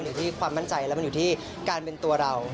ที่ความมั่นใจแล้วมันอยู่ที่การเป็นตัวเรา